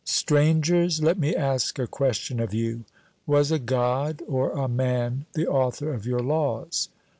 Strangers, let me ask a question of you Was a God or a man the author of your laws?